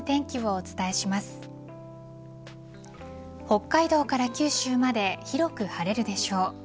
北海道から九州まで広く晴れるでしょう。